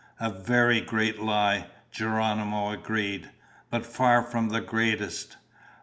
"A very great lie," Geronimo agreed, "but far from the greatest.